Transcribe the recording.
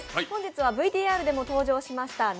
本日はＶＴＲでも登場しました、